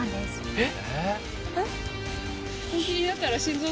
「えっ？」